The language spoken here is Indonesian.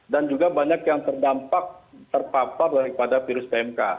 dan juga banyak yang terdampak terpapar daripada virus pmk